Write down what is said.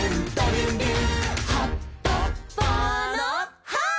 「はっぱっぱのハーッ！」